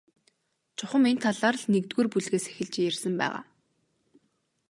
Чухам энэ талаар л нэгдүгээр бүлгээс эхэлж ярьсан байгаа.